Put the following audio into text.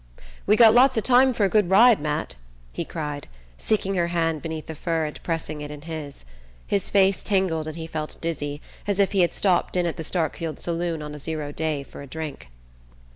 "We got lots of time for a good ride, Matt!" he cried, seeking her hand beneath the fur and pressing it in his. His face tingled and he felt dizzy, as if he had stopped in at the Starkfield saloon on a zero day for a drink.